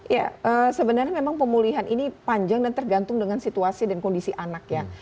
ya sebenarnya memang pemulihan ini panjang dan tergantung dengan situasi dan kondisi anak ya